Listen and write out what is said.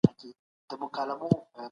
ملکیت د ژوند هوساینه ده.